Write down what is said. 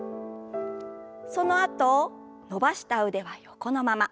そのあと伸ばした腕は横のまま。